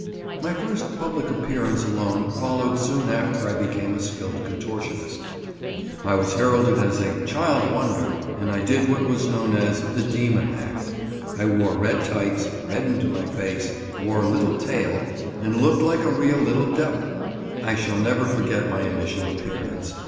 My first public appearance alone followed soon after I became a skilled contortionist. I was heralded as a "Child Wonder" and I did what was known as "The Demon Act." I wore red tights, reddened my face, wore a little tail, and looked like a real little devil. I shall never forget my initial appearance.